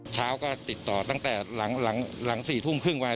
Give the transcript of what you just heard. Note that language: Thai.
เช้าก็ติดต่อตั้งแต่หลัง๔ทุ่มครึ่งไว้